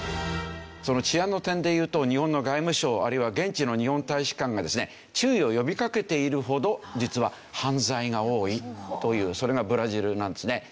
その治安の点で言うと日本の外務省あるいは現地の日本大使館がですね注意を呼びかけているほど実は犯罪が多いというそれがブラジルなんですね。